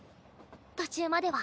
途中までは。